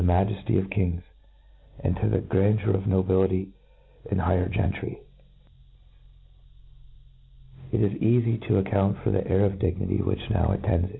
majefly of kings, and to the gran 'deur of nobility and higher gentry. It isf eafy to account for the air of dignity which now attends , It.